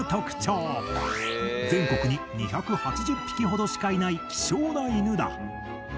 全国に２８０匹ほどしかいない希少な犬だ。